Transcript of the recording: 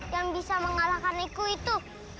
yang bisa mengalahkaniku itu